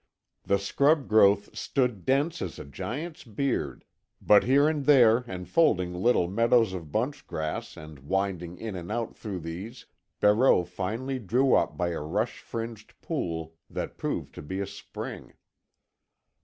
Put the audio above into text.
The scrub growth stood dense as a giant's beard, but here and there enfolding little meadows of bunchgrass, and winding in and out through these Barreau finally drew up by a rush fringed pool that proved to be a spring.